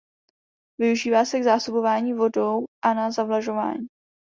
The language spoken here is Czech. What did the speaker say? Využívá se k zásobování vodou a na zavlažování.